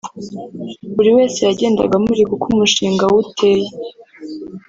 buri wese yagendaga amurika uko umushinga we uteye